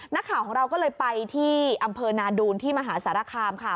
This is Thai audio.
นักข่าวของเราก็เลยไปที่อำเภอนาดูนที่มหาสารคามค่ะ